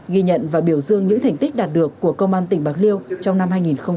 ghi nhận và biểu dương những thành tích đạt được của công an tỉnh bạc liêu trong năm hai nghìn hai mươi ba